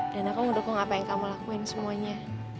dan aku mau dukung apa yang kamu lakuin semuanya